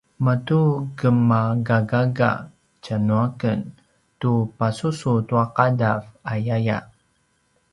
matugemagagaga tjanuaken tu pasusu tua ’adav ayaya